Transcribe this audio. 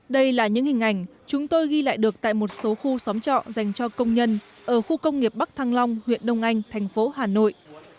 đây là những hình ảnh chúng tôi ghi lại được tại một số khu xóm trọ dành cho công nhân ở khu công nghiệp bắc thăng long huyện đông anh thành phố hà nội